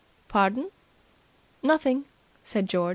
"Pardon?" "Nothing!" said George.